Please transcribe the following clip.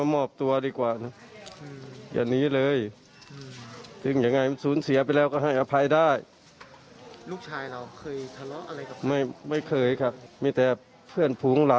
ก็ประมาณครึ่งเดือนนะ